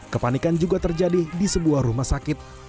kepanikan juga terjadi di sebuah rumah sakit